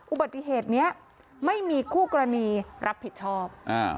อุบัติเหตุนี้ไม่มีคู่กรณีรับผิดชอบ